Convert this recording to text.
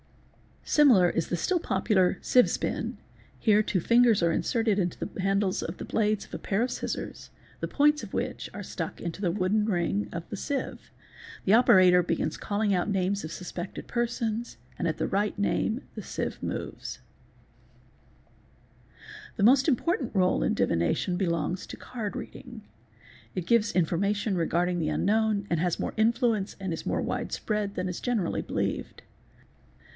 Similar is the still popular "'sieve spin''; here two fingers are inserted in the handles of the blades of a pair of scissors, the points of which are stuck into the wooden ring of the sieve; the operator begins calling out names of suspected persons and at the right name the sieve moves'™. The most important rdle in divination belongs to card reading ™. It gives information regarding the unknown and has more influence and is more wide spread than is generally believed.